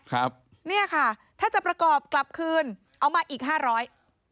ครับเนี่ยค่ะถ้าจะประกอบกลับคืนเอามาอีกห้าร้อย